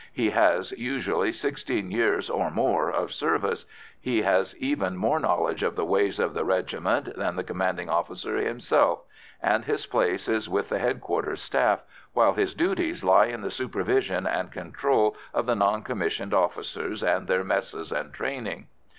He has, usually, sixteen years or more of service; he has even more knowledge of the ways of the regiment than the commanding officer himself, and his place is with the headquarters staff, while his duties lie in the supervision and control of the non commissioned officers and their messes and training.